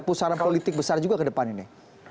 pusaran politik besar juga ke depan ini